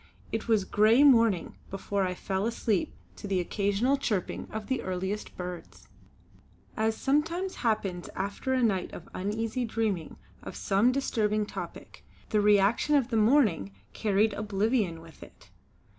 It was grey morning before I fell asleep to the occasional chirping of the earliest birds. As sometimes happens after a night of uneasy dreaming of some disturbing topic, the reaction of the morning carried oblivion with it.